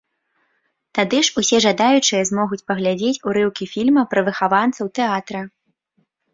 Тады ж усе жадаючыя змогуць паглядзець урыўкі фільма пра выхаванцаў тэатра.